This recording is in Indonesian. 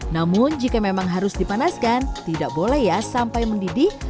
namun jika memang harus dipanaskan tidak boleh ya sampai mendidih